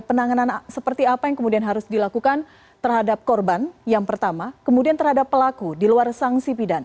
penanganan seperti apa yang kemudian harus dilakukan terhadap korban yang pertama kemudian terhadap pelaku di luar sanksi pidana